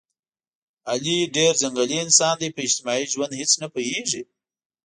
علي ډېر ځنګلي انسان دی، په اجتماعي ژوند هېڅ نه پوهېږي.